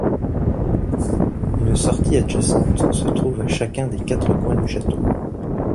Une sortie adjacente se trouve à chacun des quatre coins du château.